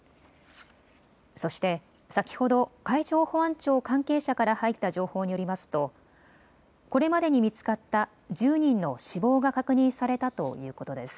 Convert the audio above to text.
そして先ほど海上保安庁関係者から入った情報によりますとこれまでに見つかった１０人の死亡が確認されたということです。